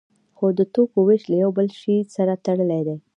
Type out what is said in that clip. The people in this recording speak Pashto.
خو د توکو ویش له یو بل شی سره تړلی دی.